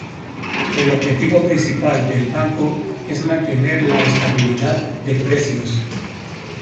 El objetivo principal del banco es mantener la estabilidad de precios.